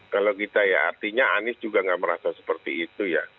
kalau kita ya artinya anies juga nggak merasa seperti itu ya